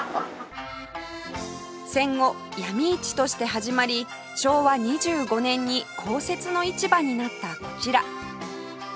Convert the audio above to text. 戦後闇市として始まり昭和２５年に公設の市場になったこちら